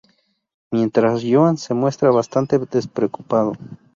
Mientras Joan se muestra bastante despreocupado.